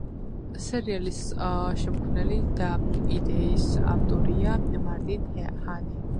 სერიალის შემქმნელი და იდეის ავტორია მარტინ ჰანი.